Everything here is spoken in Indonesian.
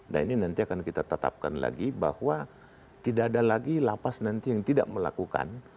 nah ini nanti akan kita tetapkan lagi bahwa tidak ada lagi lapas nanti yang tidak melakukan